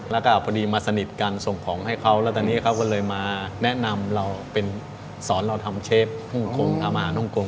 แล้วก็พอดีมาสนิทกันส่งของให้เขาแล้วตอนนี้เขาก็เลยมาแนะนำเราเป็นสอนเราทำเชฟฮ่องกงทำอาหารฮ่องกง